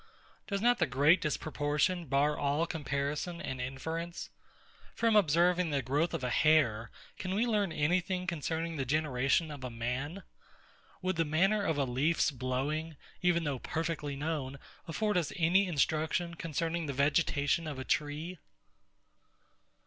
Does not the great disproportion bar all comparison and inference? From observing the growth of a hair, can we learn any thing concerning the generation of a man? Would the manner of a leaf's blowing, even though perfectly known, afford us any instruction concerning the vegetation of a tree?